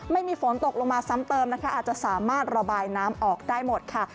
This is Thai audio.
ไม่มีฝนตกลงมาซ้ำเติมนะคะอาจจะสามารถระบายน้ำออกได้หมดค่ะ